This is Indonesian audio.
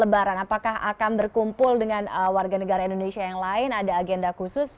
lebaran apakah akan berkumpul dengan warga negara indonesia yang lain ada agenda khusus